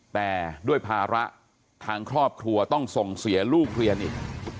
แต่ด้วยภาระทางครอบครัวต้องส่งเสียลูกเรียนอีก